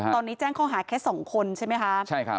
ตอนนี้แจ้งข้อหาแค่๒คนใช่ไหมคะ